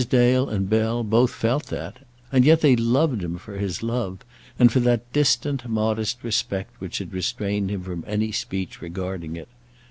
Dale and Bell both felt that. And yet they loved him for his love, and for that distant, modest respect which had restrained him from any speech regarding it.